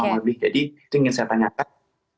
jadi itu yang ingin saya tanyakan